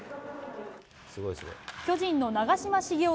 巨人の長嶋茂雄